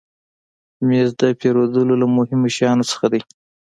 مېز د پیرودلو له مهمو شیانو څخه دی.